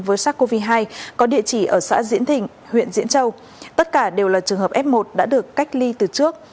với sars cov hai có địa chỉ ở xã diễn thịnh huyện diễn châu tất cả đều là trường hợp f một đã được cách ly từ trước